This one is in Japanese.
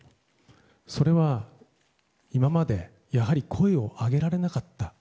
それは今までやはり声を上げられなかった。